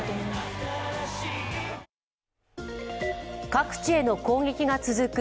各地への攻撃が続く